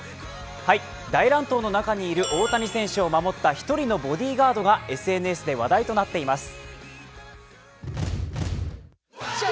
大乱闘の中にいる大谷選手を守った１人のボディーガードがＳＮＳで話題となっています。